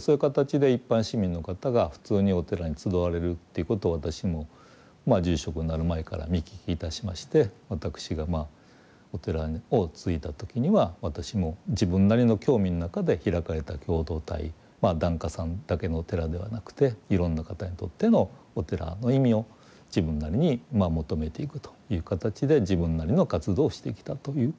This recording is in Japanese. そういう形で一般市民の方が普通にお寺に集われるっていうことを私も住職になる前から見聞きいたしまして私がお寺を継いだ時には私も自分なりの興味の中で開かれた共同体檀家さんだけのお寺ではなくていろんな方にとってのお寺の意味を自分なりに求めていくという形で自分なりの活動をしてきたという。